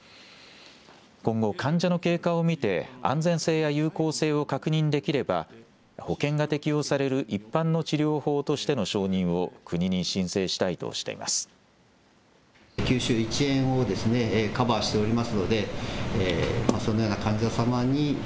今後、患者の経過を見て安全性や有効性を確認できれば保険が適用される一般の治療法としての承認を国に申請したいとしています。